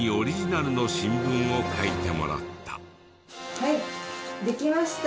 はいできました！